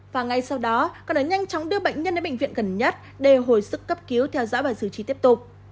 và ngay sau đó có thể nhanh chóng đưa bệnh nhân đến bệnh viện gần nhất để hồi sức cấp cứu theo dõi và xử trí tiếp tục